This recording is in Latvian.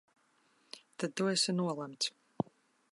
Tad tu esi nolemts!